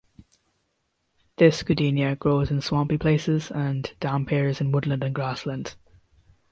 This goodenia grows in swampy places and damp areas in woodland and grassland.